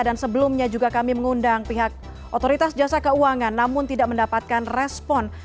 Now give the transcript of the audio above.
dan sebelumnya juga kami mengundang pihak otoritas jasa keuangan namun tidak mendapatkan respon